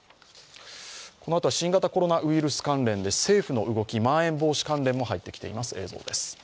このあとは新型コロナウイルス関連で政府の動き、まん延防止関連も入ってきています。